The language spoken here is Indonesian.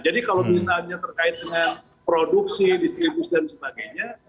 jadi kalau misalnya terkait dengan produksi distribusi dan sebagainya